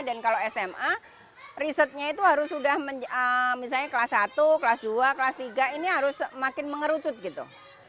dan kalau sma risetnya itu harus sudah misalnya kelas satu kelas dua kelas tiga ini harus makin mengerucut gitu